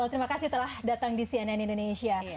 terima kasih telah datang di cnn indonesia